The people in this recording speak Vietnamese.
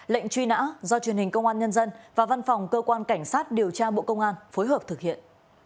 lệnh truy nã do truyền hình công an nhân dân và văn phòng cơ quan cảnh sát điều tra bộ công an phối hợp thực hiện